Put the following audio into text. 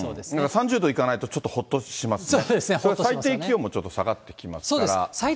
３０度いかないと、ちょっとほっとしますね。